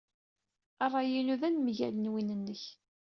Ṛṛay-inu d anemgal n win-nnek.